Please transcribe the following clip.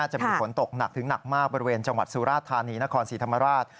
จะมีฝนตกหนักถึงหนักมากบริเวณจังหวัดสุราธานีนครศรีธรรมราช